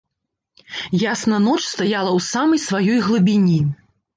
Ясна ноч стаяла ў самай сваёй глыбіні.